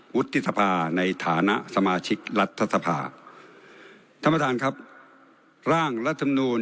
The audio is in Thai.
วุฒิสภาในฐานะสมาชิกรัฐสภาท่านประธานครับร่างรัฐมนูล